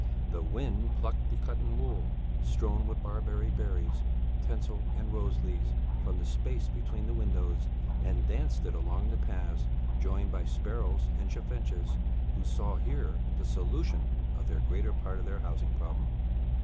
It plucked the cotton wool, strewn with barberry berries, tinsel and rose leaves, from the space between the windows and danced it along the paths, joined by sparrows and chaffinches who saw here the solution of the greater part of their housing problem.